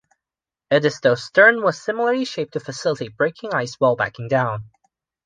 "Edisto's" stern was similarly shaped to facilitate breaking ice while backing down.